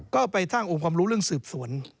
ก็ไปตั้งองค์ความรู้เรื่องสืบสวน